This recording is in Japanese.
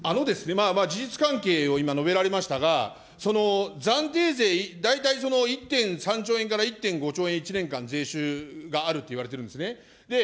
事実関係を今、述べられましたが、暫定税、大体１．３兆円から１．５兆円、１年間税収があるといわれているんですね。